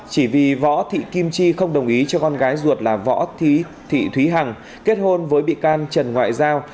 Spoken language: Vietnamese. chỉ vì võ thị kim chi không đồng ý cho con gái ruột là võ thị thúy hằng kết hôn với bị can trần ngoại giao